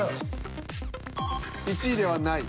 １位ではない。